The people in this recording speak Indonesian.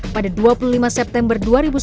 pada dua puluh lima september dua ribu sebelas